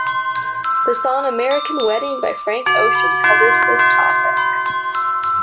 The song American Wedding by Frank Ocean covers this topic.